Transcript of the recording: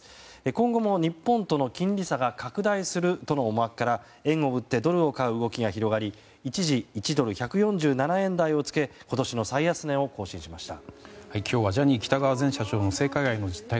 今後も日本との金利差が拡大するとの思惑から円を売ってドルを買う動きが広がり一時、１ドル＝１４７円台をつけ今年の最安値を更新しました。